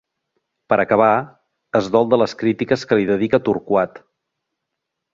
Per acabar es dol de les crítiques que li dedica Torquat.